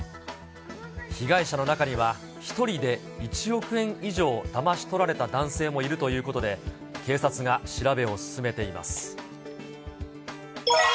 被害者の中には１人で１億円以上だまし取られた男性もいるということで、警察が調べを進めています。